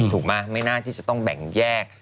ถูกไหมไม่น่าที่จะต้องแบ่งแยก